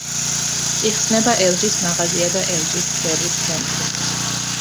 იხსნება ელჯის მაღაზია და ელჯის სერვის ცენტრი.